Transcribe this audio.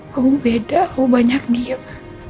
kamu beda kamu banyak diem